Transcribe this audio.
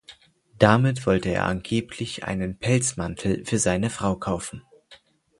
Damit wollte er angeblich einen Pelzmantel für seine Frau kaufen.